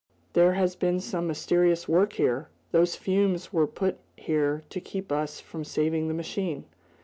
"There has been some mysterious work here! Those fumes were put here to keep us from saving the machine.